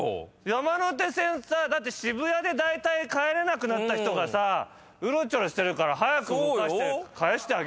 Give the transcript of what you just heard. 山手線さだって渋谷でだいたい帰れなくなった人がさうろちょろしてるから早く動かして帰してあげなきゃ。